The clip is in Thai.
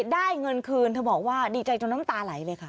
ได้เงินคืนเธอบอกว่าดีใจจนน้ำตาไหลเลยค่ะ